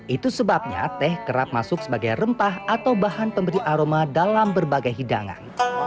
itu sebabnya teh kerap masuk sebagai rempah atau bahan pemberi aroma dalam berbagai hidangan